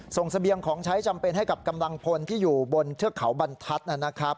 เสบียงของใช้จำเป็นให้กับกำลังพลที่อยู่บนเทือกเขาบรรทัศน์นะครับ